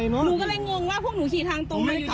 หนูก็เลยงงว่าพวกหนูขี่ทางตรงมาอยู่ต่อ